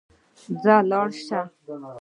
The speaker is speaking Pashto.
ځه ولاړ سه.